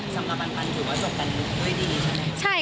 สำหรับมันถือว่าจบกันด้วยดีใช่ไหม